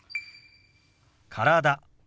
「体」。